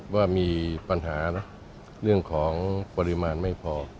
ว่ามีปัญหานะเรื่องของปริมาณไม่พอ